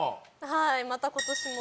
はいまた今年も。